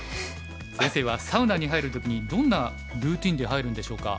先生はサウナに入る時にどんなルーティンで入るんでしょうか。